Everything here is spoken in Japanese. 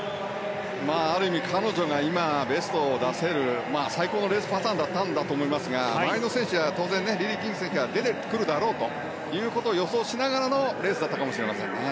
ある意味、彼女が今ベストを出せる最高のレースパターンだったと思いますが周りの選手は当然リリー・キング選手が出てくるだろうと予想しながらのレースだったかもしれませんね。